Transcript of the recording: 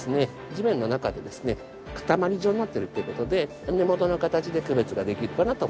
地面の中でですね固まり状になっているっていう事で根元の形で区別ができるかなと思います。